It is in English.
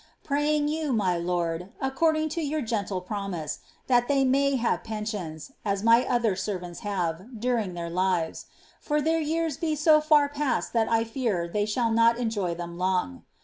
Piajiag you, my lord, according to your gentle promise, that tliey may have pensioiu, » my other servants have, during their lives; for their years be so far passed that I tear they shall not enjoy them long.